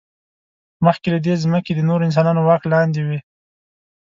مخکې له دې، ځمکې د نورو انسانانو واک لاندې وې.